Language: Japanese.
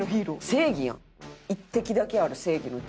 正義やん。